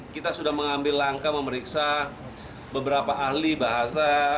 kita sudah mengambil langkah memeriksa beberapa ahli bahasa